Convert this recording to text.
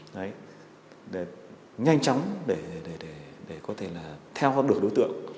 đấy để nhanh chóng để có thể là theo hấp được đối tượng